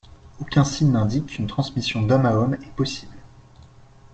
Aucun signe n'indique qu'une transmission d'homme à homme est possible.